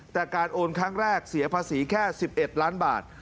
แต่การโอนครั้งแรกเสียภาษีแค่๑๑ล้านบาท